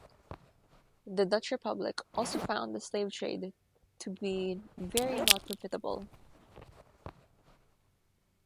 The Dutch Republic also found the slave trade to be very not profitable.